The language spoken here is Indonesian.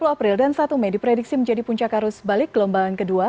tiga puluh april dan satu mei diprediksi menjadi puncak arus balik ke lombangan kedua